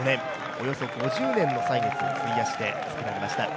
およそ５０年の歳月を費やして造られました。